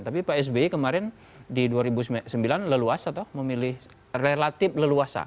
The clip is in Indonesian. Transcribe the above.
tapi pak sby kemarin di dua ribu sembilan leluas atau memilih relatif leluasa